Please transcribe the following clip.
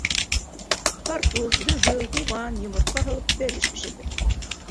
Картуф, дөгө, һуған, йомортҡа һалып, бәлеш бешерҙем.